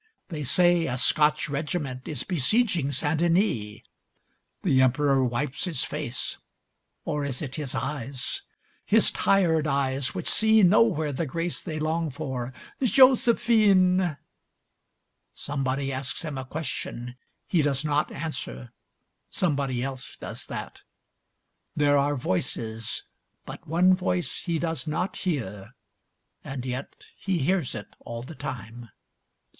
They say a Scotch regiment is besieging Saint Denis. The Emperor wipes his face, or is it his eyes. His tired eyes which see nowhere the grace they long for. Josephine! Somebody asks him a question, he does not answer, somebody else does that. There are voices, but one voice he does not hear, and yet he hears it all the time.